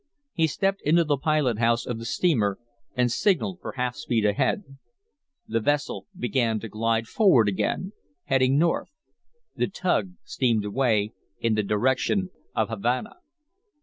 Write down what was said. He stepped into the pilot house of the steamer and signaled for half speed ahead. The vessel began to glide slowly forward again, heading north; the tug steamed away in the direction of Havana.